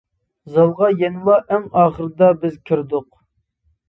زالغا يەنىلا ئەڭ ئاخىرىدا بىز كىردۇق.